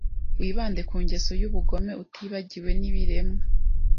Wibande ku ngeso yubugome Utibagiwe nibiremwa